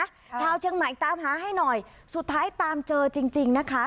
ชาวเชียงใหม่ตามหาให้หน่อยสุดท้ายตามเจอจริงจริงนะคะ